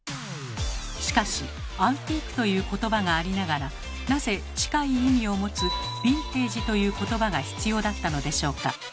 しかし「アンティーク」という言葉がありながらなぜ近い意味を持つ「ヴィンテージ」という言葉が必要だったのでしょうか？